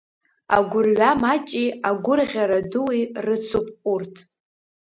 Агәырҩа маҷи агәырӷьара дуи рыцуп урҭ.